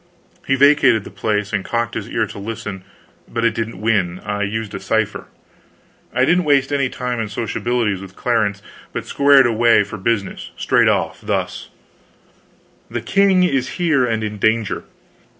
He vacated the place and cocked his ear to listen but it didn't win. I used a cipher. I didn't waste any time in sociabilities with Clarence, but squared away for business, straight off thus: "The king is here and in danger.